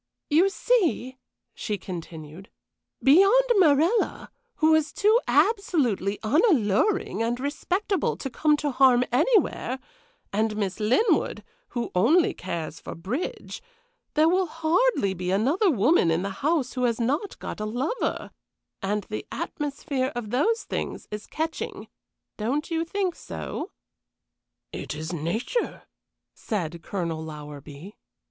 "You see," she continued, "beyond Morella, who is too absolutely unalluring and respectable to come to harm anywhere, and Miss Linwood, who only cares for bridge, there will hardly be another woman in the house who has not got a lover, and the atmosphere of those things is catching don't you think so?" "It is nature," said Colonel Lowerby.